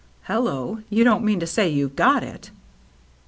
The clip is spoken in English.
" Hello, you don't mean to say you've got It?"